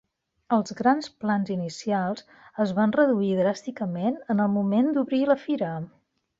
Els grans plans inicials es van reduir dràsticament en el moment d'obrir la fira.